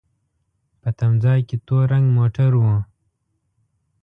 په تم ځای کې تور رنګ موټر و.